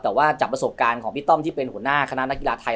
แต่ว่าจากประสบการณ์ของพี่ต้อมที่เป็นหัวหน้าคณะนักกีฬาไทย